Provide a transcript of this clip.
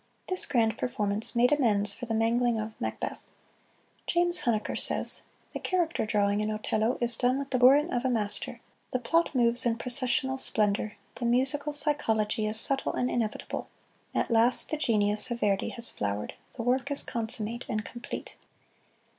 This grand performance made amends for the mangling of "Macbeth." James Huneker says: "The character drawing in 'Otello' is done with the burin of a master; the plot moves in processional splendor; the musical psychology is subtle and inevitable. At last the genius of Verdi has flowered. The work is consummate and complete."